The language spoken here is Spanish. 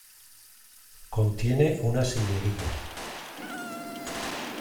Contiene una sillería.